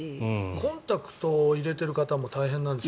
コンタクトを入れている方も大変なんでしょ。